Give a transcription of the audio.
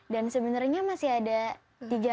dan sebenernya masih ada